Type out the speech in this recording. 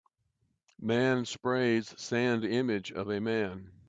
man sprays sand image of a man